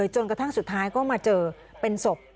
จนกระทั่งสุดท้ายก็มาเจอเป็นศพ